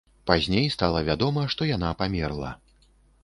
Пазней стала вядома, што яна памерла.